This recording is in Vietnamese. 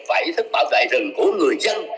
và ý thức bảo vệ rừng của người dân